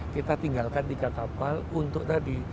kita tinggalkan tiga kapal untuk tadi